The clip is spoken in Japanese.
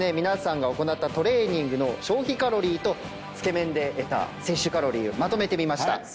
皆さんが行ったトレーニングの消費カロリーとつけ麺で得た摂取カロリーをまとめてみました。